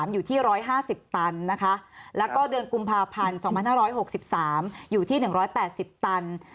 อยู่ที่๑๕๐ตันนะคะแล้วก็เดือนกุมภาพันธ์๒๕๖๓อยู่ที่๑๘๐ตัน